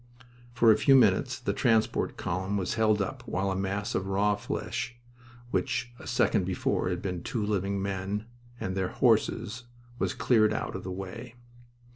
For a few minutes the transport column was held up while a mass of raw flesh which a second before had been two living men and their horses was cleared out of the way.